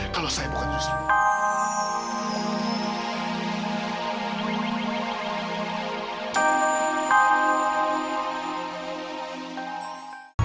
kalau saya bukan rosli